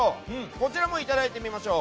こちらもいただいてみましょう。